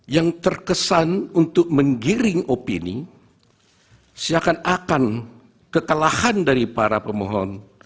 yang terkesan untuk menggiring opini seakan akan kekalahan dari para pemohon